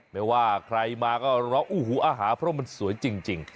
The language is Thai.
ไม่ว่าใครมาก็ร้องอู้หูอาหารเพราะมันสวยจริง